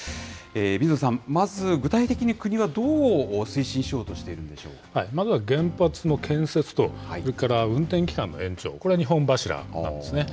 水野さん、まず、具体的に国はどう推進しようとしているんでしょまずは原発の建設と、それから運転期間の延長、これが２本柱なんですね。